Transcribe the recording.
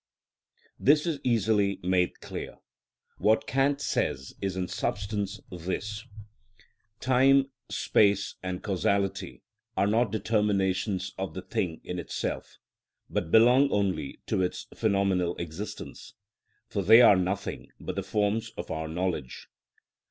This is easily made clear. What Kant says is in substance this:—"Time, space, and causality are not determinations of the thing in itself, but belong only to its phenomenal existence, for they are nothing but the forms of our knowledge.